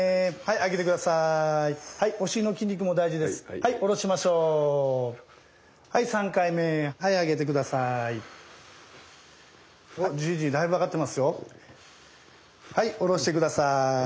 はい下ろして下さい。